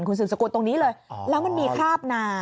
คุณสืบสกุลตรงนี้เลยแล้วมันมีคราบนา